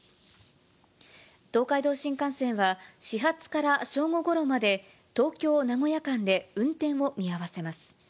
東海道新幹線は始発から正午ごろまで、東京・名古屋間で運転を見合わせます。